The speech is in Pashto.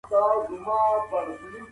جنګ خلک له کورونو بې ځايه کړل.